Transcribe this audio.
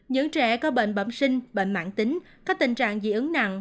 những trẻ có bệnh bẩm sinh bệnh mạng tính có tình trạng dị ứng nặng